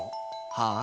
はあ？